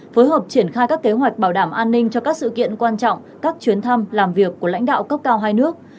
phối hợp triển khai các kế hoạch bảo đảm an ninh cho các sự kiện quan trọng các chuyến thăm làm việc của lãnh đạo cấp cao hai nước